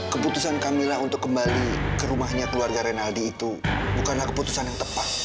keputusan kamilah untuk kembali ke rumahnya keluarga renaldi itu bukanlah keputusan yang tepat